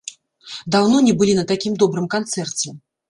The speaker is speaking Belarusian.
Даўно не былі на такім добрым канцэрце!